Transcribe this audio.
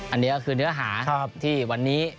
อันนี้ก็คือเนื้อหาที่วันนี้